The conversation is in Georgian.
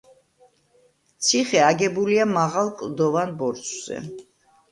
ციხე აგებულია მაღალ კლდოვან ბორცვზე.